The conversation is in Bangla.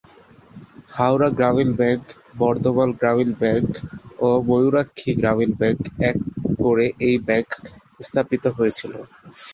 হাওড়া গ্রামীণ ব্যাঙ্ক, বর্ধমান গ্রামীণ ব্যাঙ্ক ও ময়ূরাক্ষী গ্রামীণ ব্যাঙ্ক এক করে এই ব্যাঙ্ক স্থাপিত হয়েছিল।